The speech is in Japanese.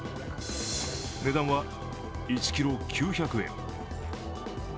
値段は１ｋｇ９００円。